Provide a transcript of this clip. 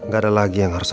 gak ada lagi yang harusnya